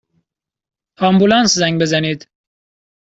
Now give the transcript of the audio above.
آمبولانس زنگ بزنید!